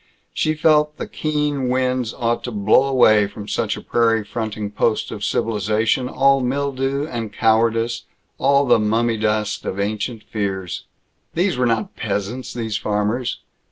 She felt that the keen winds ought to blow away from such a prairie fronting post of civilization all mildew and cowardice, all the mummy dust of ancient fears. These were not peasants, these farmers.